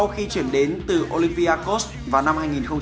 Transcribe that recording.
khi chuyển đến từ olympiacos vào năm hai nghìn một mươi